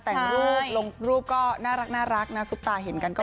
แต่รูปลงรูปก็น่ารักน่าสุขตาเห็นกันก็ไม่สุขอีก